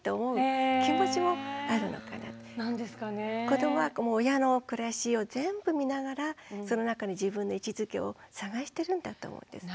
子どもは親の暮らしを全部見ながらその中の自分の位置づけを探してるんだと思うんです。